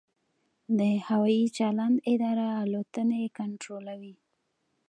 د هوايي چلند اداره الوتنې کنټرولوي